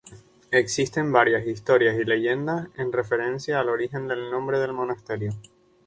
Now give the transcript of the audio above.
Existen varias historias y leyendas en referencia al origen del nombre del monasterio.